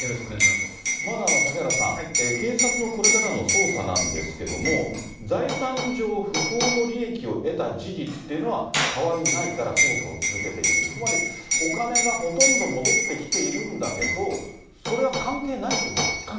まず嵩原さん、警察のこれからの捜査なんですけれども、財産上不法の利益を得た事実というのは、変わりないから捜査を続けていく、つまりお金がほとんど戻ってきているんだけど、それは関係ないっていうことですか。